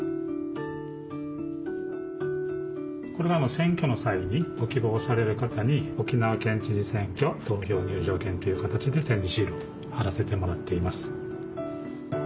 これが、選挙の際にご希望される方に「沖縄県知事選挙投票入場券」という形で、点字シールを貼らせてもらっています。